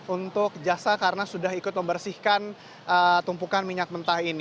untuk jasa karena sudah ikut membersihkan tumpukan minyak mentah ini